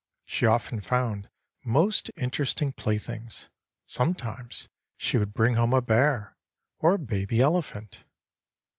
She often found most interesting playthings. Sometimes she would bring home a bear, or a baby elephant.